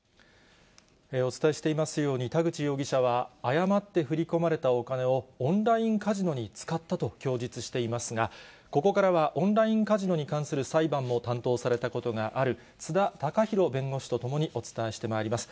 お伝えしていますように、田口容疑者は、誤って振り込まれたお金を、オンラインカジノに使ったと供述していますが、ここからはオンラインカジノに関する裁判を担当されたことがある、津田岳宏弁護士と共にお伝えしてまいります。